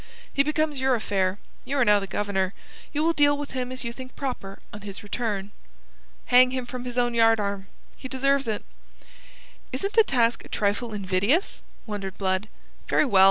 "He becomes your affair. You are now the Governor. You will deal with him as you think proper on his return. Hang him from his own yardarm. He deserves it." "Isn't the task a trifle invidious?" wondered Blood. "Very well.